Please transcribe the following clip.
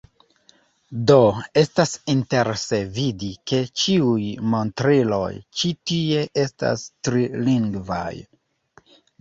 Do, estas interese vidi, ke ĉiuj montriloj ĉi tie estas trilingvaj